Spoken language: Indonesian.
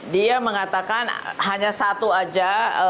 dia mengatakan hanya satu saja